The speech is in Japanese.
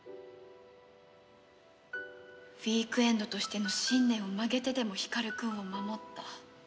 ウィークエンドとしての信念を曲げてでも光くんを守った。